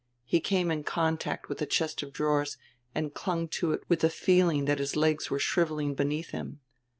He came in contact with a chest of drawers, and clung to it with the feeling that his legs were shriveling beneath him.